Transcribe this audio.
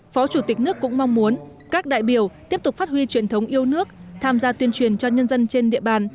phó chủ tịch nước cũng mong muốn các đại biểu tiếp tục phát huy truyền thống yêu nước tham gia tuyên truyền cho nhân dân trên địa bàn